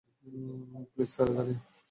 Please, তাড়াতাড়ি!